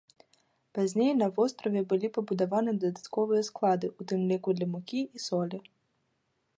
Пазней на востраве былі пабудаваны дадатковыя склады, у тым ліку для мукі і солі.